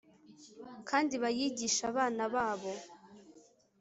kandi bayigishe abana babo.’ “